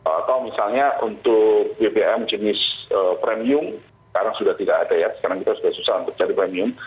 atau misalnya untuk bbm jenis premium sekarang sudah tidak ada ya sekarang kita sudah susah untuk cari premium